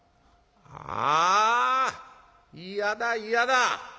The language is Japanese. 「あ嫌だ嫌だ。